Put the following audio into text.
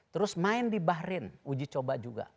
terus main di bahrain uji coba juga